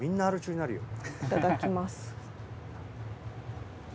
いただきます。